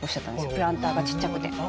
プランターがちっちゃくて。